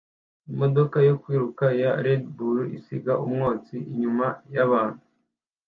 Imodoka yo kwiruka ya Red Bull isiga umwotsi inyuma yabantu